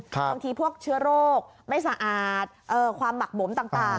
บางทีพวกเชื้อโรคไม่สะอาดความหมักหมมต่าง